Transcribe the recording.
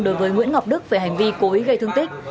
đối với nguyễn ngọc đức về hành vi cố ý gây thương tích